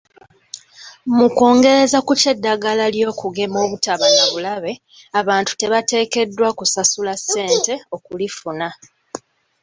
Mu kwongereza ku ky'eddagala ly'okugema obutaba na bulabe, abantu tebateekeddwa kusasula ssente okulifuna.